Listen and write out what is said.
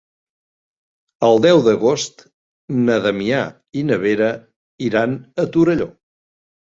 El deu d'agost na Damià i na Vera iran a Torelló.